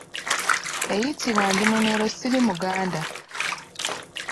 Eyitibwa Ndimunyolosirimuganda.